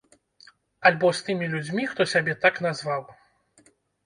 Альбо з тымі людзьмі, хто сябе так назваў.